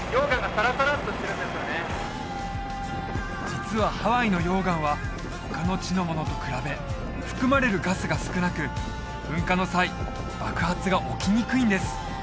実はハワイの溶岩は他の地のものと比べ含まれるガスが少なく噴火の際爆発が起きにくいんです